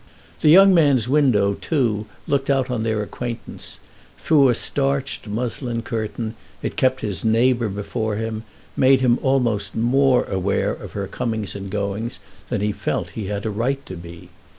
The young man's window, too, looked out on their acquaintance; through a starched muslin curtain it kept his neighbour before him, made him almost more aware of her comings and goings than he felt he had a right to be.